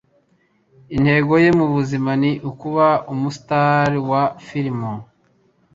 Intego ye mubuzima ni ukuba umustar wa firime.